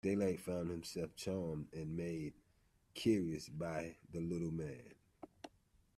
Daylight found himself charmed and made curious by the little man.